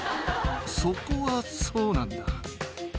そこは、そうなんだ。